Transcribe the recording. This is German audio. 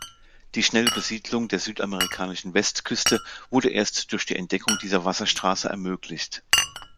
Die schnelle Besiedlung der südamerikanischen Westküste wurde erst durch die Entdeckung dieser Wasserstraße ermöglicht.